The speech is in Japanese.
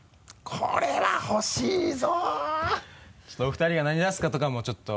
これは欲しいぞ。